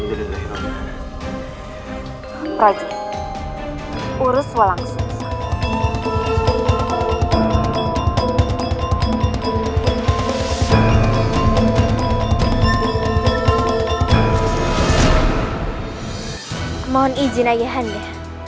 baiklah ya anda